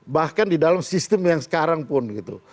bahkan di dalam sistem yang sekarang pun gitu